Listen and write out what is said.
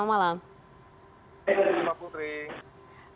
selamat malam pak putri